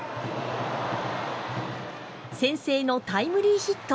先制のタイムリーヒット。